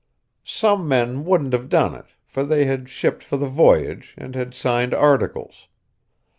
Some men wouldn't have done it, for they had shipped for the voyage, and had signed articles.